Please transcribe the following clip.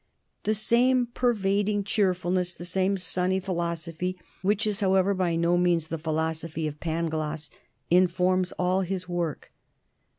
The same pervading cheerfulness, the same sunny philosophy, which is, however, by no means the philosophy of Pangloss, informs all his work.